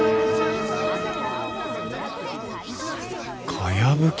かやぶき